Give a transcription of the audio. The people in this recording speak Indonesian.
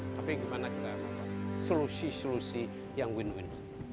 tapi gimana kita membuat solusi solusi yang win win